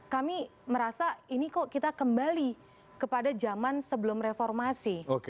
kami merasa ini kok kita kembali kepada zaman sebelum reformasi